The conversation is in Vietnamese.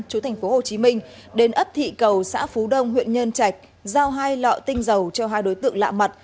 chủ tịch tp hcm đến ấp thị cầu xã phú đông huyện nhân chạch giao hai lọ tinh dầu cho hai đối tượng lạ mặt